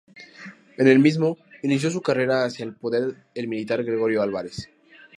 En el mismo inició su carrera hacia el poder el militar Gregorio Álvarez.